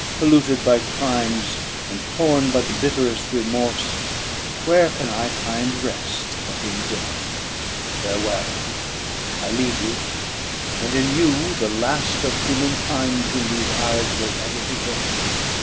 Polluted by crimes, and torn by the bitterest remorse, where can I find rest but in death? "Farewell! I leave you, and in you the last of human kind whom these eyes will ever behold.